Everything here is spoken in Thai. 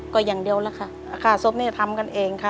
ก็อย่างเดียวล่ะค่ะศพนี้ทำกันเองค่ะ